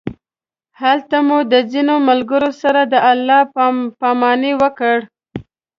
هلته مو د ځینو ملګرو سره د الله پامانۍ وکړ.